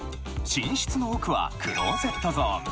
寝室の奥はクローゼットゾーン。